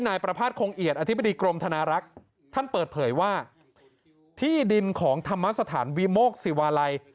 นายประภาษณคงเอียดอธิบดีกรมธนารักษ์ท่านเปิดเผยว่าที่ดินของธรรมสถานวิโมกศิวาลัย